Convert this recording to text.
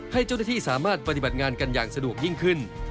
ให้เจ้าหน้าที่สามารถปฏิบัติงานกันอย่างสะดวกยิ่งขึ้น